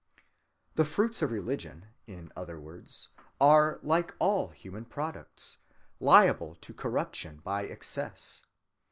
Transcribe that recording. The fruits of religion, in other words, are, like all human products, liable to corruption by excess.